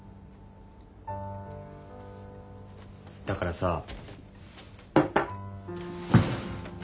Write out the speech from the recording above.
だからさ。